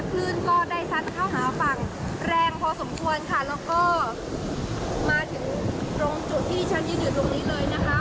คลื่นก็ได้ซัดเข้าหาฝั่งแรงพอสมควรค่ะแล้วก็มาถึงตรงจุดที่ฉันยืนอยู่ตรงนี้เลยนะคะ